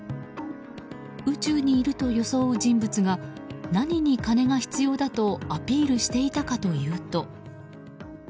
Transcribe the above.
宇宙にいると装う人物が何に金が必要だとアピールしていたかというと。